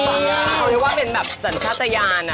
เขายึดว่าเป็นแบบสัญภาษาญาณ